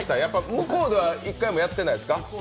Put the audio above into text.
向こうでは一回もやってないですか？